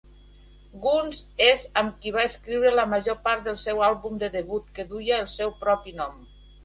Guns és amb qui va escriure la major part del seu àlbum de debut, que duia el seu propi nom.